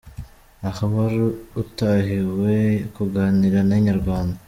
Aha uwari utahiwe kuganira na Inyarwanda.